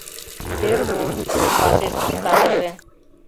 — Сервус, — вашештыш садыже.